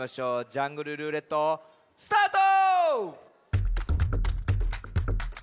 「ジャングルるーれっと」スタート！